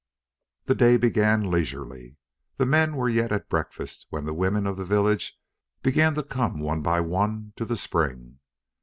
The day began leisurely. The men were yet at breakfast when the women of the village began to come one by one to the spring.